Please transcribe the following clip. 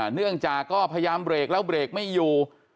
เนื่องจากก็พยายามเบรกแล้วเบรกไม่อยู่